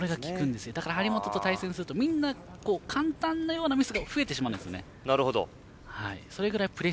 だから張本と対戦するとみんな簡単なようなミスが増えてしまうんですよね。